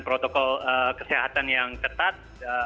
protokol kesehatan yang ketat